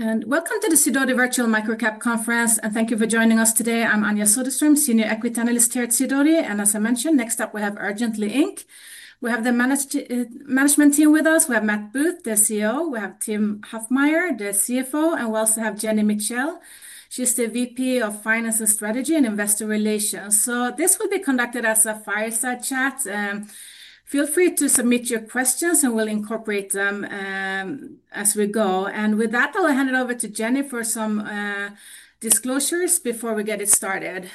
Welcome to the CIDOTI Virtual Microcap Conference, and thank you for joining us today. I'm Anja Soderstrom, Senior Equity Analyst here at CIDOTI, and as I mentioned, next up we have Urgently Inc. We have the management team with us. We have Matt Booth, the CEO. We have Tim Huffmyer, the CFO, and we also have Jenny Mitchell. She's the VP of Finance, Strategy, and Investor Relations. This will be conducted as a fireside chat, and feel free to submit your questions, and we'll incorporate them as we go. With that, I'll hand it over to Jenny for some disclosures before we get it started.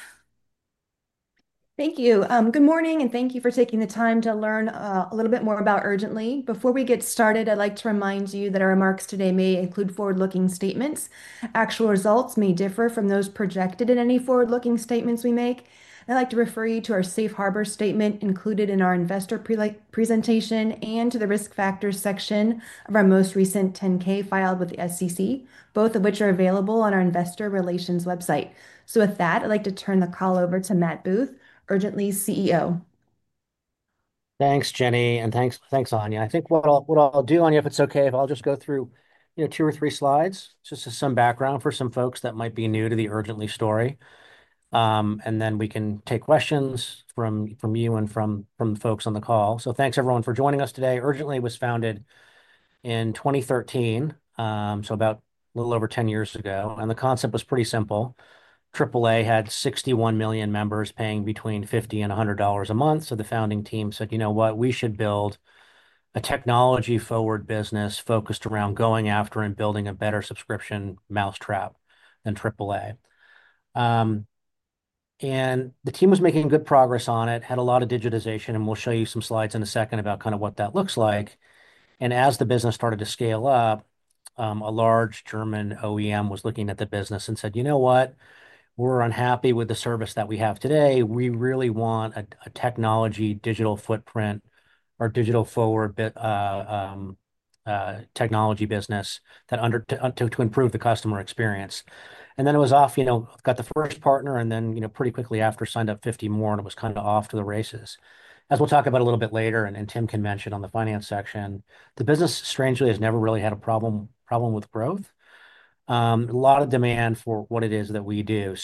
Thank you. Good morning, and thank you for taking the time to learn a little bit more about Urgently. Before we get started, I'd like to remind you that our remarks today may include forward-looking statements. Actual results may differ from those projected in any forward-looking statements we make. I'd like to refer you to our Safe Harbor statement included in our investor presentation and to the risk factors section of our most recent 10-K filed with the SEC, both of which are available on our investor relations website. With that, I'd like to turn the call over to Matt Booth, Urgently CEO. Thanks, Jenny, and thanks, Anja. I think what I'll do, Anja, if it's okay, is I'll just go through two or three slides just as some background for some folks that might be new to the Urgently story, and then we can take questions from you and from the folks on the call. Thanks, everyone, for joining us today. Urgently was founded in 2013, so about a little over 10 years ago, and the concept was pretty simple. AAA had 61 million members paying between $50 and $100 a month, so the founding team said, "You know what? We should build a technology-forward business focused around going after and building a better subscription mousetrap than AAA." The team was making good progress on it, had a lot of digitization, and we'll show you some slides in a second about kind of what that looks like. As the business started to scale up, a large German OEM was looking at the business and said, "You know what? We're unhappy with the service that we have today. We really want a technology digital footprint or digital forward technology business to improve the customer experience." It was off, got the first partner, and then pretty quickly after signed up 50 more, and it was kind of off to the races. As we will talk about a little bit later and Tim can mention on the finance section, the business strangely has never really had a problem with growth. A lot of demand for what it is that we do.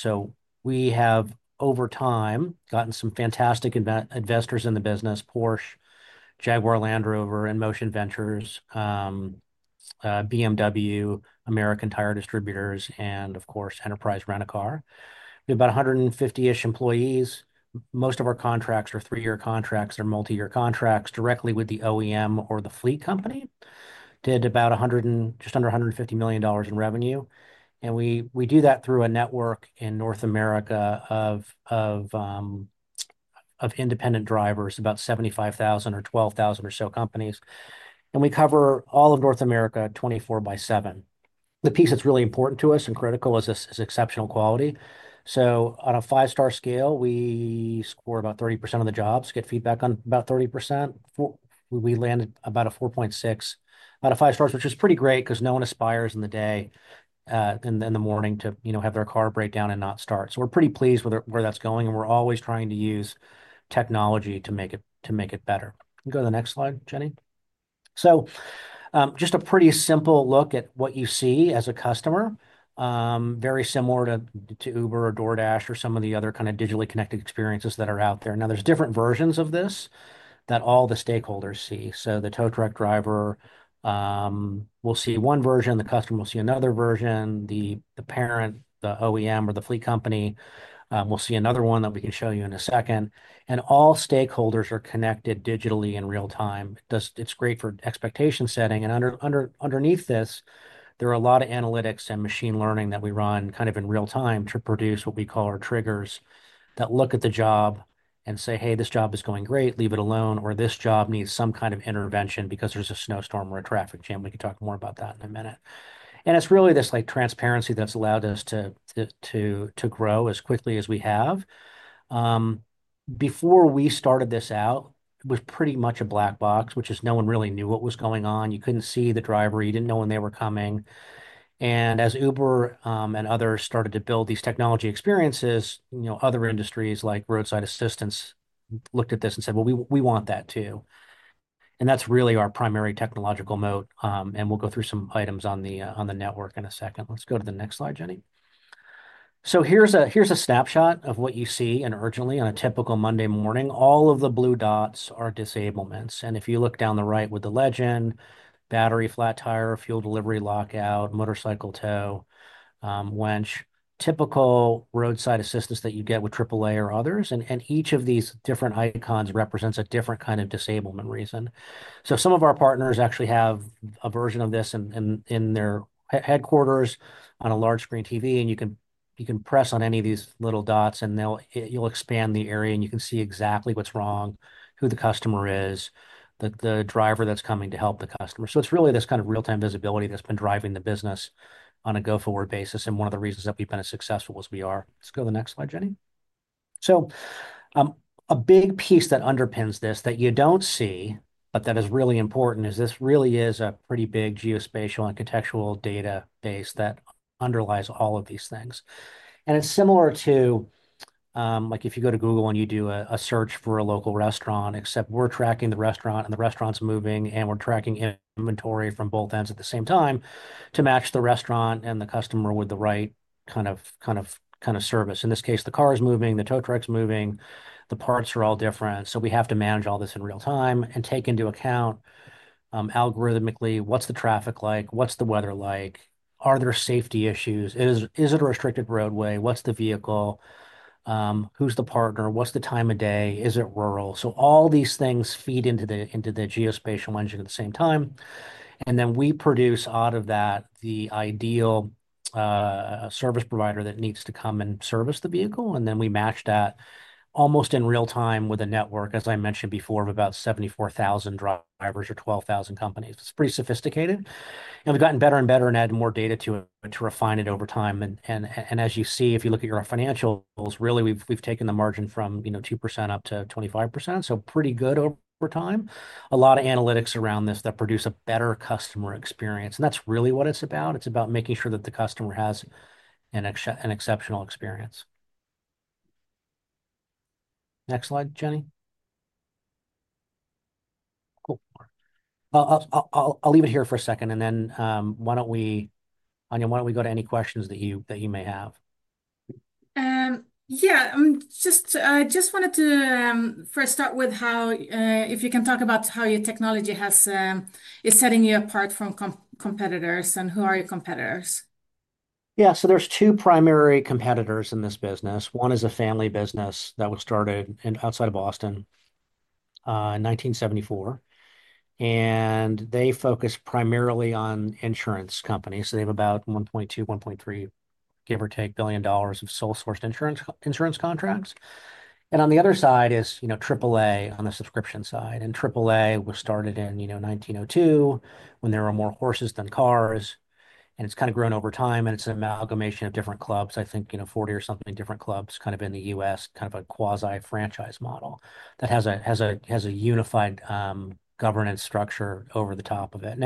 We have over time gotten some fantastic investors in the business: Porsche, Jaguar Land Rover, InMotion Ventures, BMW, American Tire Distributors, and of course, Enterprise Rent-A-Car. We have about 150-ish employees. Most of our contracts are three-year contracts or multi-year contracts directly with the OEM or the fleet company. Did about just under $150 million in revenue. And we do that through a network in North America of independent drivers, about 75,000 or 12,000 or so companies. We cover all of North America 24 by 7. The piece that's really important to us and critical is exceptional quality. On a five-star scale, we score about 30% of the jobs, get feedback on about 30%. We land about a 4.6 out of five stars, which is pretty great because no one aspires in the day in the morning to have their car break down and not start. We're pretty pleased with where that's going, and we're always trying to use technology to make it better. Can you go to the next slide, Jenny? Just a pretty simple look at what you see as a customer, very similar to Uber or DoorDash or some of the other kind of digitally connected experiences that are out there. Now, there's different versions of this that all the stakeholders see. The tow truck driver will see one version, the customer will see another version, the parent, the OEM or the fleet company will see another one that we can show you in a second. All stakeholders are connected digitally in real time. It's great for expectation setting. Underneath this, there are a lot of analytics and machine learning that we run kind of in real time to produce what we call our triggers that look at the job and say, "Hey, this job is going great. Leave it alone," or, "This job needs some kind of intervention because there's a snowstorm or a traffic jam." We can talk more about that in a minute. It is really this transparency that has allowed us to grow as quickly as we have. Before we started this out, it was pretty much a black box, which is no one really knew what was going on. You could not see the driver. You did not know when they were coming. As Uber and others started to build these technology experiences, other industries like roadside assistance looked at this and said, "We want that too." That is really our primary technological moat. We will go through some items on the network in a second. Let's go to the next slide, Jenny. Here is a snapshot of what you see in Urgently on a typical Monday morning. All of the blue dots are disablements. If you look down the right with the legend, battery, flat tire, fuel delivery, lockout, motorcycle tow, wrench, typical roadside assistance that you get with AAA or others. Each of these different icons represents a different kind of disablement reason. Some of our partners actually have a version of this in their headquarters on a large screen TV, and you can press on any of these little dots, and you'll expand the area, and you can see exactly what's wrong, who the customer is, the driver that's coming to help the customer. It is really this kind of real-time visibility that's been driving the business on a go-forward basis, and one of the reasons that we've been as successful as we are. Let's go to the next slide, Jenny. A big piece that underpins this that you do not see, but that is really important, is this really is a pretty big geospatial and contextual database that underlies all of these things. It is similar to if you go to Google and you do a search for a local restaurant, except we are tracking the restaurant and the restaurant is moving, and we are tracking inventory from both ends at the same time to match the restaurant and the customer with the right kind of service. In this case, the car is moving, the tow truck is moving, the parts are all different. We have to manage all this in real time and take into account algorithmically what is the traffic like, what is the weather like, are there safety issues, is it a restricted roadway, what is the vehicle, who is the partner, what is the time of day, is it rural. All these things feed into the geospatial engine at the same time. Then we produce out of that the ideal service provider that needs to come and service the vehicle, and we match that almost in real time with a network, as I mentioned before, of about 74,000 drivers or 12,000 companies. It is pretty sophisticated. We have gotten better and better and added more data to it to refine it over time. If you look at your financials, really we have taken the margin from 2% up to 25%, so pretty good over time. A lot of analytics around this produce a better customer experience. That is really what it is about. It is about making sure that the customer has an exceptional experience. Next slide, Jenny. Cool. I'll leave it here for a second, and then why don't we, Anja, why don't we go to any questions that you may have? Yeah. I just wanted to first start with how, if you can talk about how your technology is setting you apart from competitors and who are your competitors. Yeah. There are two primary competitors in this business. One is a family business that was started outside of Boston in 1974. They focus primarily on insurance companies. They have about $1.2 billion-$1.3 billion, give or take, of sole-sourced insurance contracts. On the other side is AAA on the subscription side. AAA was started in 1902 when there were more horses than cars. It has kind of grown over time, and it is an amalgamation of different clubs, I think 40 or something different clubs in the U.S., kind of a quasi-franchise model that has a unified governance structure over the top of it.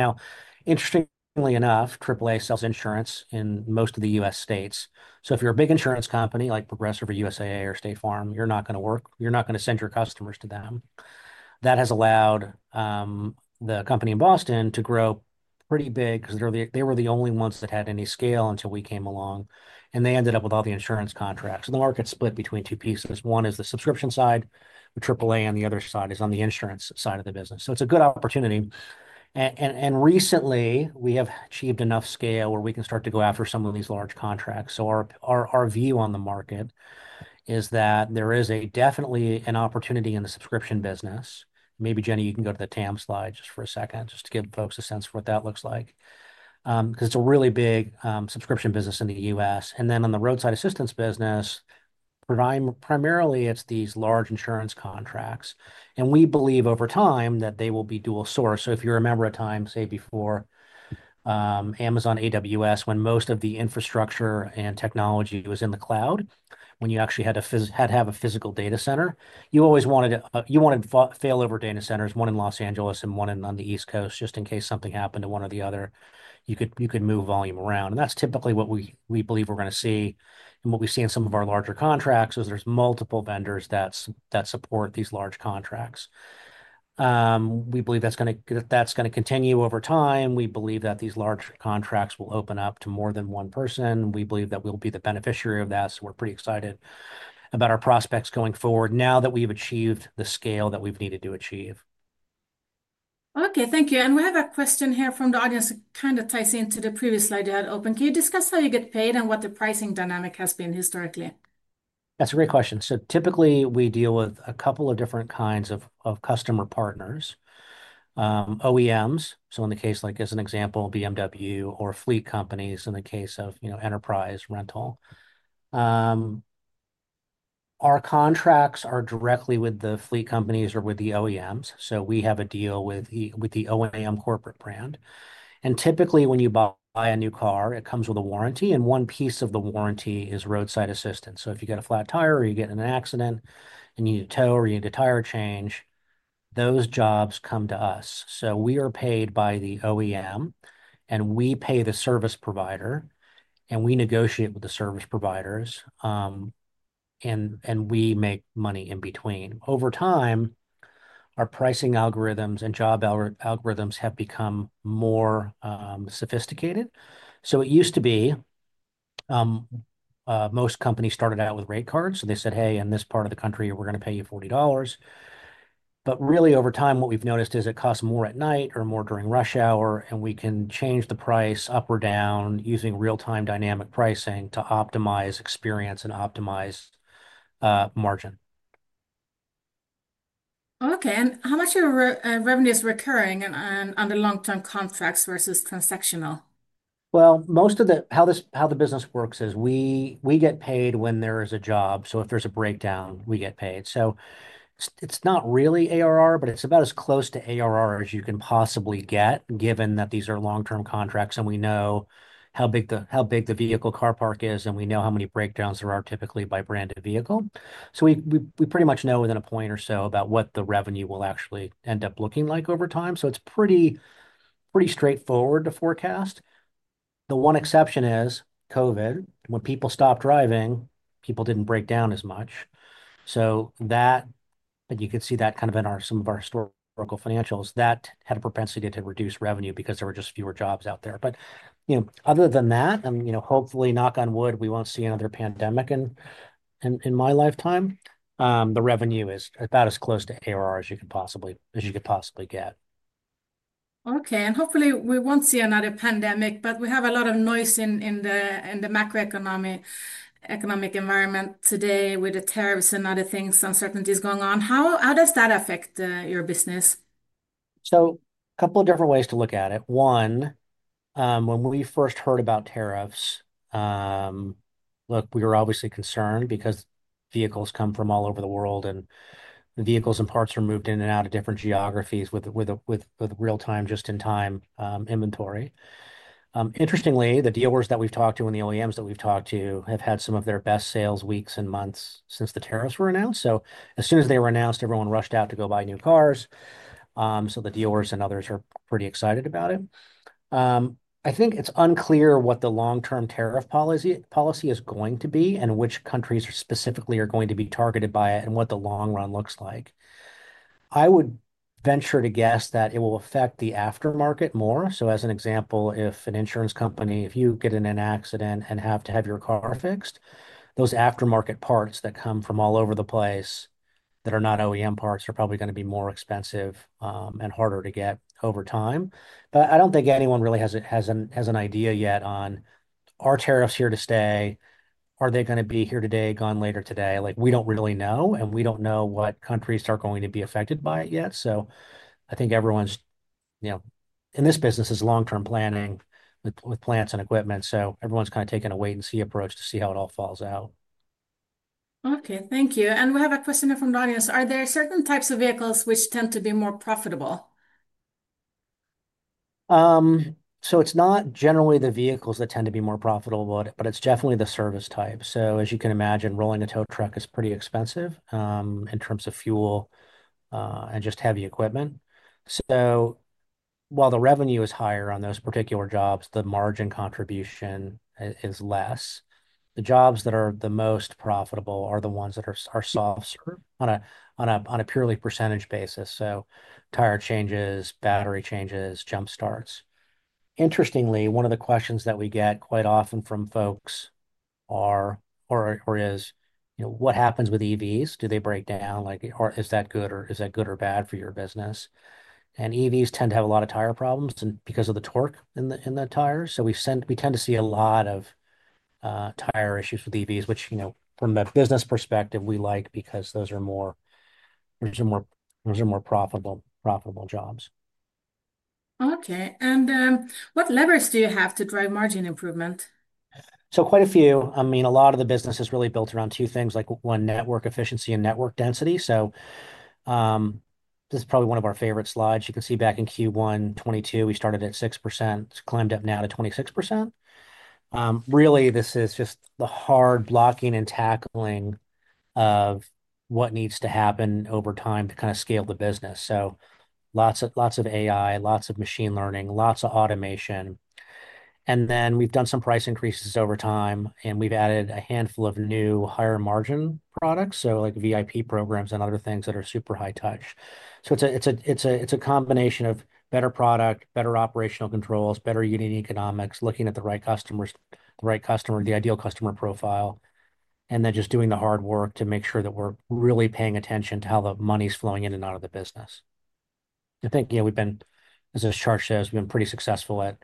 Interestingly enough, AAA sells insurance in most of the U.S. states. If you are a big insurance company like Progressive or USAA or State Farm, you are not going to work. You are not going to send your customers to them. That has allowed the company in Boston to grow pretty big because they were the only ones that had any scale until we came along. They ended up with all the insurance contracts. The market's split between two pieces. One is the subscription side with AAA, and the other side is on the insurance side of the business. It's a good opportunity. Recently, we have achieved enough scale where we can start to go after some of these large contracts. Our view on the market is that there is definitely an opportunity in the subscription business. Maybe, Jenny, you can go to the Tam slide just for a second just to give folks a sense for what that looks like because it's a really big subscription business in the U.S. On the roadside assistance business, primarily it's these large insurance contracts. We believe over time that they will be dual source. If you remember a time, say, before Amazon AWS, when most of the infrastructure and technology was in the cloud, when you actually had to have a physical data center, you wanted failover data centers, one in Los Angeles and one on the East Coast, just in case something happened to one or the other. You could move volume around. That is typically what we believe we are going to see. What we see in some of our larger contracts is there are multiple vendors that support these large contracts. We believe that is going to continue over time. We believe that these large contracts will open up to more than one person. We believe that we will be the beneficiary of that. We're pretty excited about our prospects going forward now that we've achieved the scale that we've needed to achieve. Okay. Thank you. We have a question here from the audience that kind of ties into the previous slide you had open. Can you discuss how you get paid and what the pricing dynamic has been historically? That's a great question. Typically, we deal with a couple of different kinds of customer partners, OEMs. In the case, as an example, BMW or fleet companies in the case of Enterprise Rent-A-Car. Our contracts are directly with the fleet companies or with the OEMs. We have a deal with the OEM corporate brand. Typically, when you buy a new car, it comes with a warranty, and one piece of the warranty is roadside assistance. If you get a flat tire or you get in an accident and you need to tow or you need a tire change, those jobs come to us. We are paid by the OEM, and we pay the service provider, and we negotiate with the service providers, and we make money in between. Over time, our pricing algorithms and job algorithms have become more sophisticated. It used to be most companies started out with rate cards. They said, "Hey, in this part of the country, we're going to pay you $40." Over time, what we've noticed is it costs more at night or more during rush hour, and we can change the price up or down using real-time dynamic pricing to optimize experience and optimize margin. Okay. How much of your revenue is recurring on the long-term contracts versus transactional? Most of how the business works is we get paid when there is a job. If there's a breakdown, we get paid. It is not really ARR, but it's about as close to ARR as you can possibly get, given that these are long-term contracts and we know how big the vehicle car park is and we know how many breakdowns there are typically by branded vehicle. We pretty much know within a point or so about what the revenue will actually end up looking like over time. It is pretty straightforward to forecast. The one exception is COVID. When people stopped driving, people did not break down as much. You could see that kind of in some of our historical financials. That had a propensity to reduce revenue because there were just fewer jobs out there. Other than that, hopefully, knock on wood, we won't see another pandemic in my lifetime. The revenue is about as close to ARR as you could possibly get. Okay. Hopefully, we won't see another pandemic, but we have a lot of noise in the macroeconomic environment today with the tariffs and other things, uncertainties going on. How does that affect your business? A couple of different ways to look at it. One, when we first heard about tariffs, look, we were obviously concerned because vehicles come from all over the world, and vehicles and parts are moved in and out of different geographies with real-time, just-in-time inventory. Interestingly, the dealers that we've talked to and the OEMs that we've talked to have had some of their best sales weeks and months since the tariffs were announced. As soon as they were announced, everyone rushed out to go buy new cars. The dealers and others are pretty excited about it. I think it's unclear what the long-term tariff policy is going to be and which countries specifically are going to be targeted by it and what the long run looks like. I would venture to guess that it will affect the aftermarket more. As an example, if an insurance company, if you get in an accident and have to have your car fixed, those aftermarket parts that come from all over the place that are not OEM parts are probably going to be more expensive and harder to get over time. I do not think anyone really has an idea yet on, "Are tariffs here to stay? Are they going to be here today, gone later today?" We do not really know, and we do not know what countries are going to be affected by it yet. I think everyone in this business is long-term planning with plants and equipment. Everyone is kind of taking a wait-and-see approach to see how it all falls out. Okay. Thank you. We have a question here from Darius. Are there certain types of vehicles which tend to be more profitable? It's not generally the vehicles that tend to be more profitable, but it's definitely the service type. As you can imagine, rolling a tow truck is pretty expensive in terms of fuel and just heavy equipment. While the revenue is higher on those particular jobs, the margin contribution is less. The jobs that are the most profitable are the ones that are soft-served on a purely percentage basis. Tire changes, battery changes, jump starts. Interestingly, one of the questions that we get quite often from folks is, "What happens with EVs? Do they break down? Is that good or bad for your business?" EVs tend to have a lot of tire problems because of the torque in the tires. We tend to see a lot of tire issues with EVs, which from a business perspective, we like because those are more profitable jobs. Okay. What levers do you have to drive margin improvement? Quite a few. I mean, a lot of the business is really built around two things, like one, network efficiency and network density. This is probably one of our favorite slides. You can see back in Q1 2022, we started at 6%, climbed up now to 26%. Really, this is just the hard blocking and tackling of what needs to happen over time to kind of scale the business. Lots of AI, lots of machine learning, lots of automation. We have done some price increases over time, and we have added a handful of new higher-margin products, like VIP programs and other things that are super high-touch. It's a combination of better product, better operational controls, better unit economics, looking at the right customer, the ideal customer profile, and then just doing the hard work to make sure that we're really paying attention to how the money's flowing in and out of the business. I think, as this chart shows, we've been pretty successful at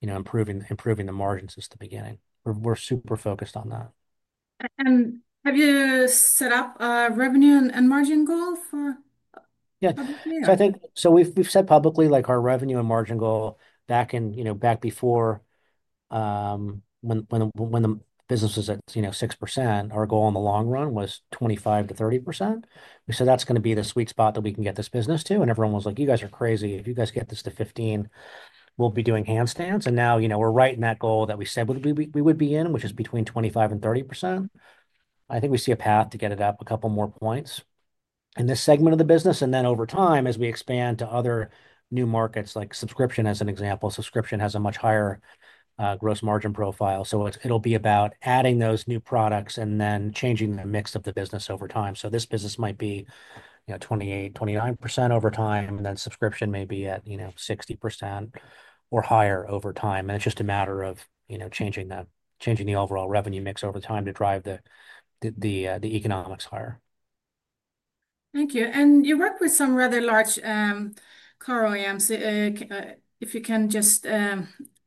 improving the margins since the beginning. We're super focused on that. Have you set up a revenue and margin goal for publicly? Yeah. We have set publicly our revenue and margin goal back before when the business was at 6%. Our goal in the long run was 25-30%. We said, "That's going to be the sweet spot that we can get this business to." Everyone was like, "You guys are crazy. If you guys get this to 15%, we'll be doing handstands." Now we are right in that goal that we said we would be in, which is between 25-30%. I think we see a path to get it up a couple more points in this segment of the business. Over time, as we expand to other new markets, like subscription as an example, subscription has a much higher gross margin profile. It will be about adding those new products and then changing the mix of the business over time. This business might be 28-29% over time, and then subscription may be at 60% or higher over time. It is just a matter of changing the overall revenue mix over time to drive the economics higher. Thank you. You work with some rather large car OEMs. If you can just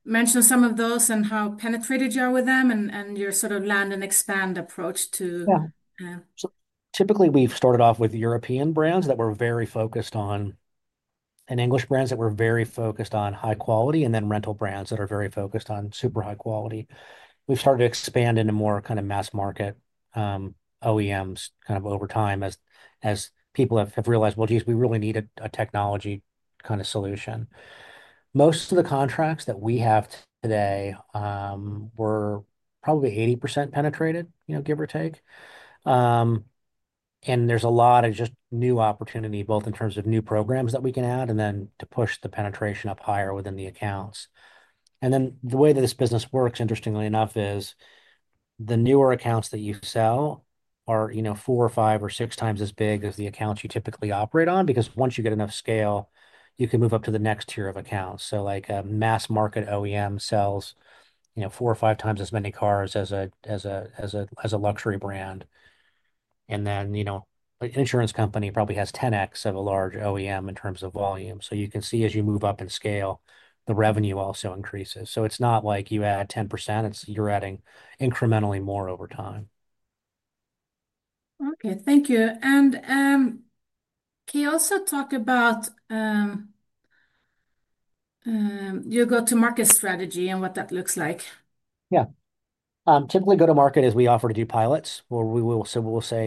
mention some of those and how penetrated you are with them and your sort of land and expand approach too. Yeah. Typically, we've started off with European brands that were very focused on and English brands that were very focused on high quality, and then rental brands that are very focused on super high quality. We've started to expand into more kind of mass market OEMs over time as people have realized, "Geez, we really need a technology kind of solution." Most of the contracts that we have today are probably 80% penetrated, give or take. There is a lot of just new opportunity, both in terms of new programs that we can add and then to push the penetration up higher within the accounts. The way that this business works, interestingly enough, is the newer accounts that you sell are four or five or six times as big as the accounts you typically operate on because once you get enough scale, you can move up to the next tier of accounts. Like a mass market OEM sells four or five times as many cars as a luxury brand. An insurance company probably has 10x of a large OEM in terms of volume. You can see as you move up in scale, the revenue also increases. It is not like you add 10%. You are adding incrementally more over time. Okay. Thank you. Can you also talk about your go-to-market strategy and what that looks like? Yeah. Typically, go-to-market is we offer to do pilots. We’ll say,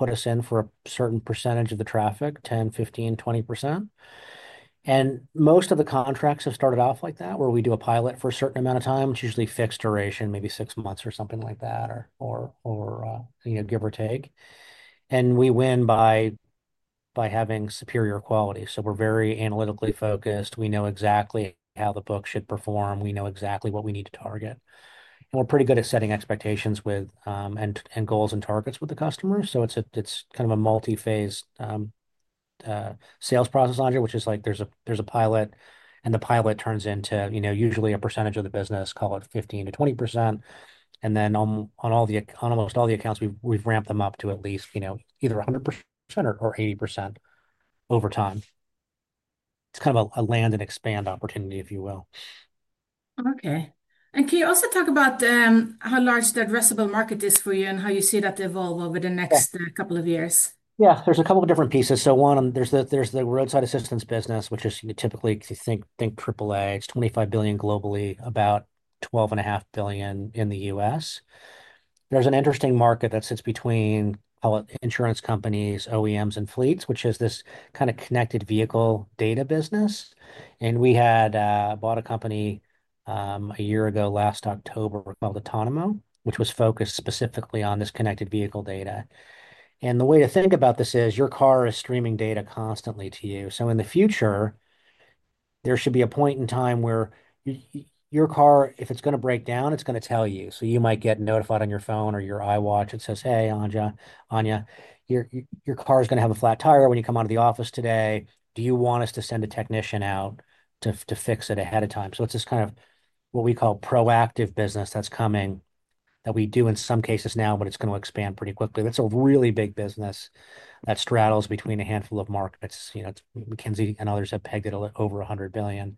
put us in for a certain percentage of the traffic, 10%, 15%, 20%. Most of the contracts have started off like that, where we do a pilot for a certain amount of time, which is usually fixed duration, maybe six months or something like that, or give or take. We win by having superior quality. We’re very analytically focused. We know exactly how the book should perform. We know exactly what we need to target. We’re pretty good at setting expectations and goals and targets with the customers. It’s kind of a multi-phase sales process on here, which is like there’s a pilot, and the pilot turns into usually a percentage of the business, call it 15%-20%. On almost all the accounts, we've ramped them up to at least either 100% or 80% over time. It's kind of a land and expand opportunity, if you will. Okay. Can you also talk about how large that reciprocal market is for you and how you see that evolve over the next couple of years? Yeah. There's a couple of different pieces. One, there's the roadside assistance business, which is typically, think AAA. It's $25 billion globally, about $12.5 billion in the U.S. There's an interesting market that sits between insurance companies, OEMs, and fleets, which has this kind of connected vehicle data business. We had bought a company a year ago last October called Autonomo, which was focused specifically on this connected vehicle data. The way to think about this is your car is streaming data constantly to you. In the future, there should be a point in time where your car, if it's going to break down, it's going to tell you. You might get notified on your phone or your iWatch that says, "Hey, Anja, your car is going to have a flat tire when you come out of the office today. Do you want us to send a technician out to fix it ahead of time? It is this kind of what we call proactive business that is coming that we do in some cases now, but it is going to expand pretty quickly. That is a really big business that straddles between a handful of markets. McKinsey and others have pegged it over $100 billion.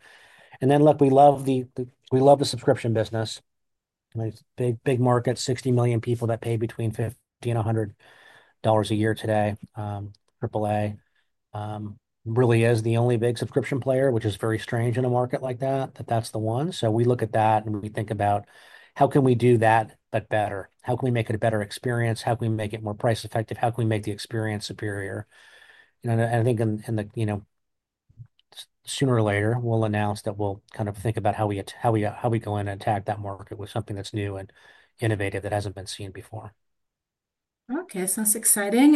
We love the subscription business. Big market, 60 million people that pay between $50 and $100 a year today. AAA really is the only big subscription player, which is very strange in a market like that, that that is the one. We look at that and we think about how can we do that, but better? How can we make it a better experience? How can we make it more price-effective? How can we make the experience superior? I think sooner or later, we'll announce that we'll kind of think about how we go in and attack that market with something that's new and innovative that hasn't been seen before. Okay. Sounds exciting.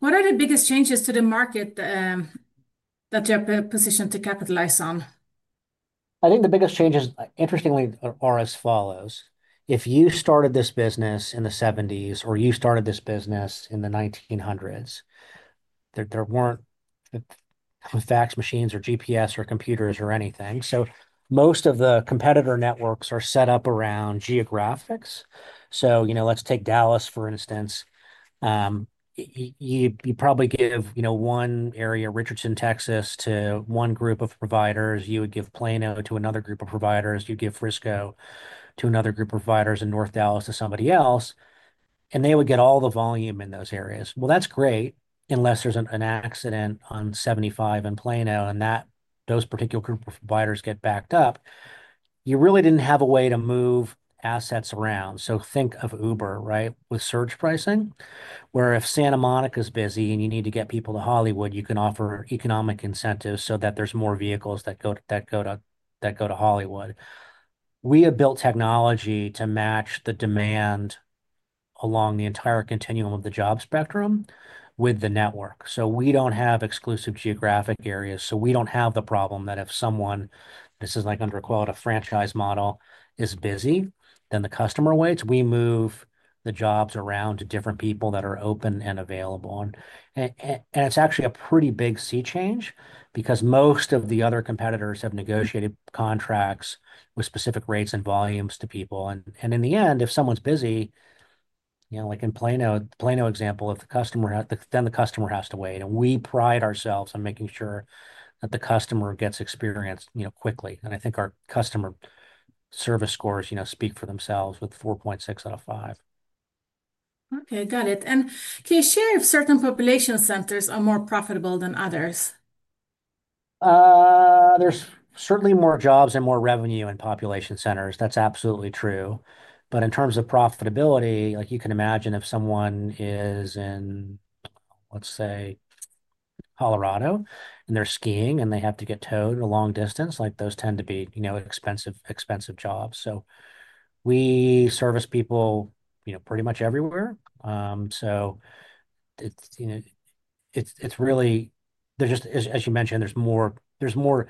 What are the biggest changes to the market that you're positioned to capitalize on? I think the biggest changes, interestingly, are as follows. If you started this business in the 1970s or you started this business in the 1900s, there were not fax machines or GPS or computers or anything. Most of the competitor networks are set up around geographics. Let's take Dallas, for instance. You would probably give one area, Richardson, Texas, to one group of providers. You would give Plano to another group of providers. You would give Frisco to another group of providers in North Dallas to somebody else. They would get all the volume in those areas. That is great unless there is an accident on 75 in Plano and that particular group of providers gets backed up. You really did not have a way to move assets around. Think of Uber, right, with surge pricing, where if Santa Monica is busy and you need to get people to Hollywood, you can offer economic incentives so that there are more vehicles that go to Hollywood. We have built technology to match the demand along the entire continuum of the job spectrum with the network. We do not have exclusive geographic areas. We do not have the problem that if someone, this is like under a quota franchise model, is busy, then the customer waits. We move the jobs around to different people that are open and available. It is actually a pretty big sea change because most of the other competitors have negotiated contracts with specific rates and volumes to people. In the end, if someone is busy, like in Plano, the Plano example, then the customer has to wait. We pride ourselves on making sure that the customer gets experienced quickly. I think our customer service scores speak for themselves with 4.6 out of 5. Okay. Got it. Can you share if certain population centers are more profitable than others? There's certainly more jobs and more revenue in population centers. That's absolutely true. In terms of profitability, you can imagine if someone is in, let's say, Colorado, and they're skiing and they have to get towed a long distance, those tend to be expensive jobs. We service people pretty much everywhere. It is really, as you mentioned, there's more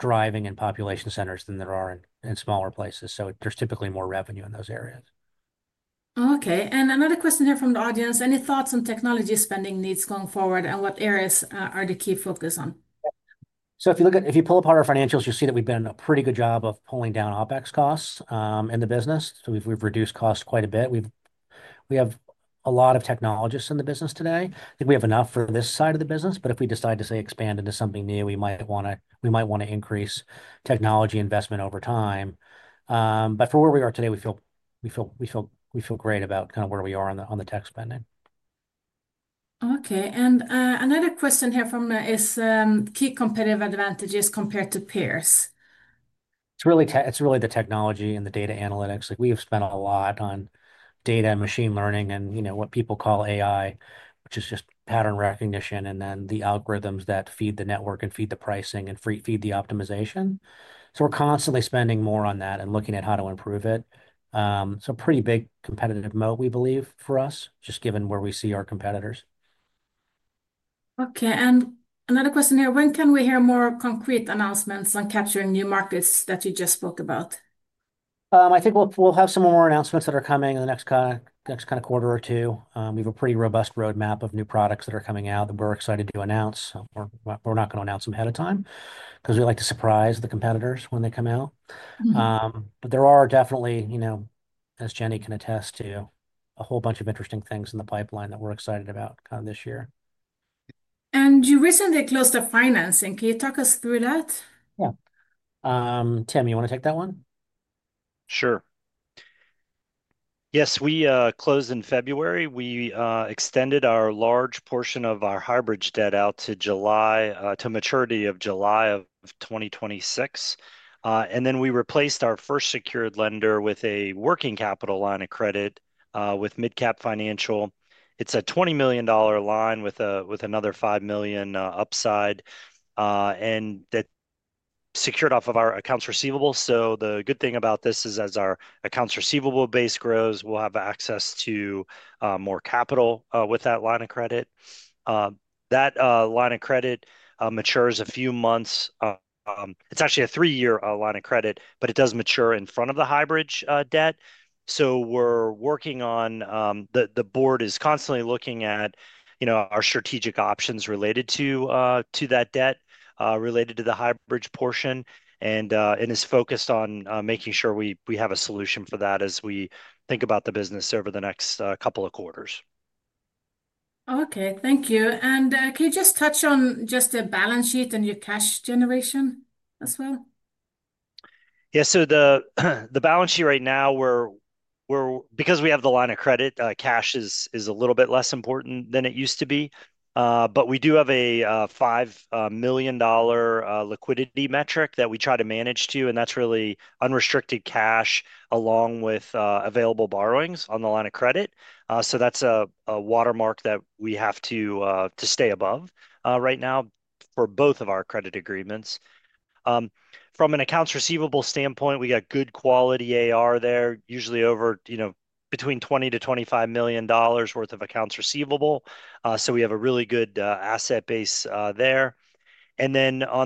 driving in population centers than there are in smaller places. There's typically more revenue in those areas. Okay. Another question here from the audience. Any thoughts on technology spending needs going forward and what areas are the key focus on? If you look at, if you pull apart our financials, you'll see that we've done a pretty good job of pulling down OpEx costs in the business. We've reduced costs quite a bit. We have a lot of technologists in the business today. I think we have enough for this side of the business. If we decide to, say, expand into something new, we might want to increase technology investment over time. For where we are today, we feel great about kind of where we are on the tech spending. Okay. Another question here is key competitive advantages compared to peers? It's really the technology and the data analytics. We have spent a lot on data and machine learning and what people call AI, which is just pattern recognition, and then the algorithms that feed the network and feed the pricing and feed the optimization. We are constantly spending more on that and looking at how to improve it. A pretty big competitive moat, we believe, for us, just given where we see our competitors. Okay. Another question here. When can we hear more concrete announcements on capturing new markets that you just spoke about? I think we'll have some more announcements that are coming in the next kind of quarter or two. We have a pretty robust roadmap of new products that are coming out that we're excited to announce. We're not going to announce them ahead of time because we like to surprise the competitors when they come out. There are definitely, as Jenny can attest to, a whole bunch of interesting things in the pipeline that we're excited about kind of this year. You recently closed the financing. Can you talk us through that? Yeah. Tim, you want to take that one? Sure. Yes. We closed in February. We extended a large portion of our hybrids debt out to a maturity of July of 2026. We replaced our first secured lender with a working capital line of credit with Mid-Cap Financial. It is a $20 million line with another $5 million upside. That is secured off of our accounts receivable. The good thing about this is as our accounts receivable base grows, we will have access to more capital with that line of credit. That line of credit matures in a few months. It is actually a three-year line of credit, but it does mature in front of the hybrids debt. We are working on it. The board is constantly looking at our strategic options related to that debt, related to the hybrids portion. It is focused on making sure we have a solution for that as we think about the business over the next couple of quarters. Okay. Thank you. Can you just touch on just the balance sheet and your cash generation as well? Yeah. The balance sheet right now, because we have the line of credit, cash is a little bit less important than it used to be. We do have a $5 million liquidity metric that we try to manage to. That is really unrestricted cash along with available borrowings on the line of credit. That is a watermark that we have to stay above right now for both of our credit agreements. From an accounts receivable standpoint, we got good quality AR there, usually over between $20 million-$25 million worth of accounts receivable. We have a really good asset base there. On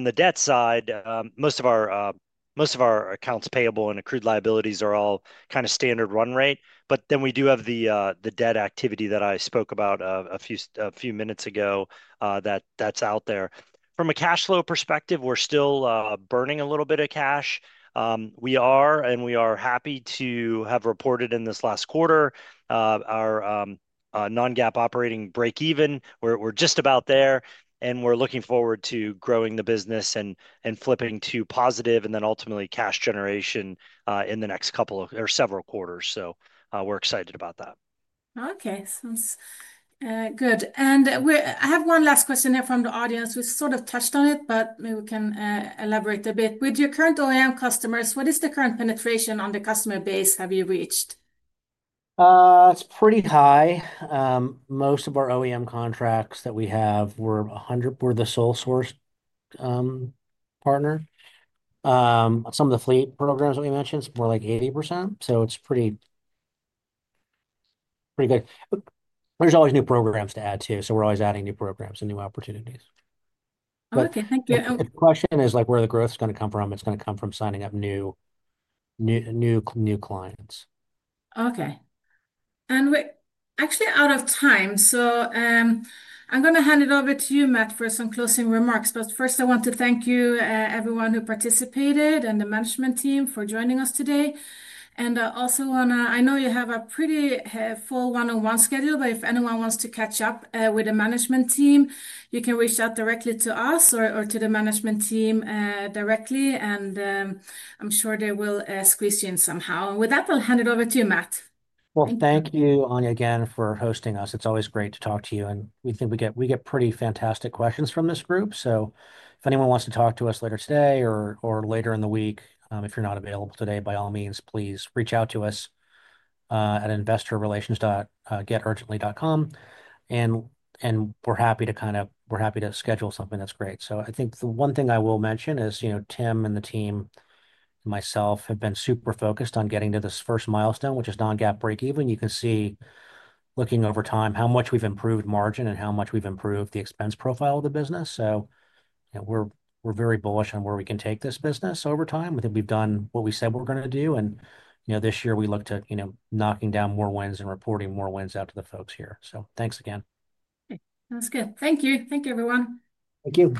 the debt side, most of our accounts payable and accrued liabilities are all kind of standard run rate. We do have the debt activity that I spoke about a few minutes ago that is out there. From a cash flow perspective, we're still burning a little bit of cash. We are, and we are happy to have reported in this last quarter our non-GAAP operating break-even. We're just about there. We are looking forward to growing the business and flipping to positive and then ultimately cash generation in the next couple or several quarters. We are excited about that. Okay. Sounds good. I have one last question here from the audience. We sort of touched on it, but maybe we can elaborate a bit. With your current OEM customers, what is the current penetration on the customer base have you reached? It's pretty high. Most of our OEM contracts that we have, we're the sole source partner. Some of the fleet programs that we mentioned, it's more like 80%. So it's pretty good. There's always new programs to add to. So we're always adding new programs and new opportunities. Okay. Thank you. The question is where the growth is going to come from. It's going to come from signing up new clients. Okay. We're actually out of time. I'm going to hand it over to you, Matt, for some closing remarks. First, I want to thank everyone who participated and the management team for joining us today. I also want to, I know you have a pretty full one-on-one schedule, but if anyone wants to catch up with the management team, you can reach out directly to us or to the management team directly. I'm sure they will squeeze you in somehow. With that, I'll hand it over to you, Matt. Thank you, Anja, again for hosting us. It's always great to talk to you. We think we get pretty fantastic questions from this group. If anyone wants to talk to us later today or later in the week, if you're not available today, by all means, please reach out to us at investorrelations.geturgently.com. We're happy to schedule something that's great. I think the one thing I will mention is Tim and the team and myself have been super focused on getting to this first milestone, which is non-GAAP break-even. You can see looking over time how much we've improved margin and how much we've improved the expense profile of the business. We're very bullish on where we can take this business over time. I think we've done what we said we're going to do. This year, we look to knocking down more wins and reporting more wins out to the folks here. Thanks again. Sounds good. Thank you. Thank you, everyone. Thank you.